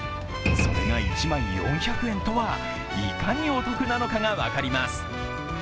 それが１枚４００円とはいかにお得なのかが分かります。